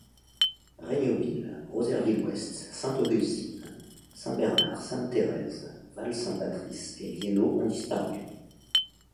Regneautville, Rosaireville-Ouest, Sainte-Augustine, Saint-Bernard, Sainte-Thérèse, Val-Saint-Patrice et Vienneau ont disparu.